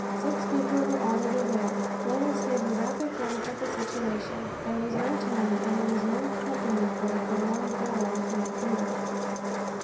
Six people were already there. Lois gave a rapid glance at the situation. There was no time, and it was no company for a prolonged battle with the intruder.